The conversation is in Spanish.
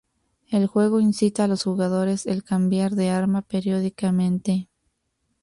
El juego incita a los jugador el cambiar de arma periódicamente.